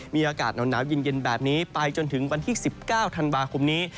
มีอากาศหนาวเย็นแบบนี้ไปจนถึงวันที่๑๙ธันวาคมนี้